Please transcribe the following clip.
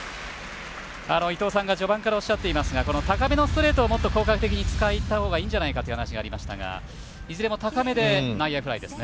伊東さんが序盤からおっしゃっていますが高めのストレートをもっと効果的に使えたほうがいいんじゃないかという話がありましたがいずれも高めで内野フライですね。